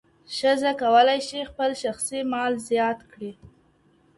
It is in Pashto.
ښځه کولی شي خپل شخصي مال زیات کړي.